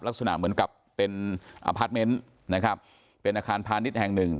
ลักษณะเหมือนกับเป็นนะครับเป็นอาคารพาณิชย์แห่งหนึ่ง